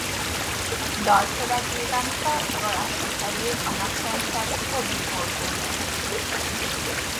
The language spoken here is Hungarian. Dalszövegében felsorolásra kerül a Naprendszer többi bolygója is.